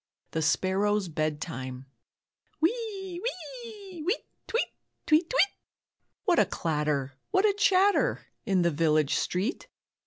THE SPARROWS' BEDTIME. "Wee, wee, weet, tweet, tweet, tweet!" What a clatter, what a chatter In the village street.